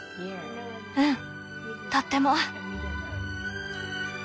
うんとっても。